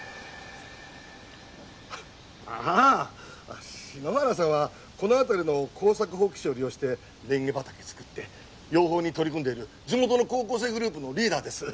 あ篠原さんはこの辺りの耕作放棄地を利用してれんげ畑作って養蜂に取り組んでいる地元の高校生グループのリーダーです。